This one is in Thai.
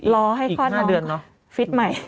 รอให้พระธรรมฟิสใหม่